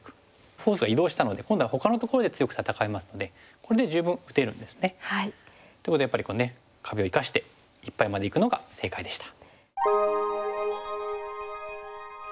フォースが移動したので今度はほかのところで強く戦えますのでこれで十分打てるんですね。ということでやっぱり壁を生かしていっぱいまでいくのが正解でした。